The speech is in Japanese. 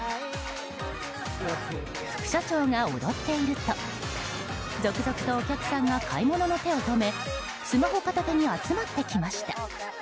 副社長が踊っていると続々とお客さんが買い物の手を止めスマホ片手に集まってきました。